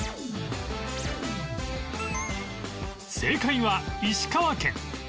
正解は石川県